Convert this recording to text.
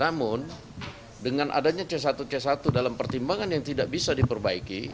namun dengan adanya c satu c satu dalam pertimbangan yang tidak bisa diperbaiki